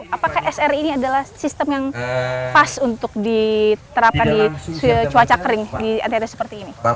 apakah sri ini adalah sistem yang pas untuk diterapkan di cuaca kering di rt seperti ini